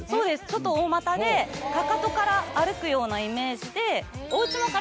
ちょっと大股でかかとから歩くようなイメージで。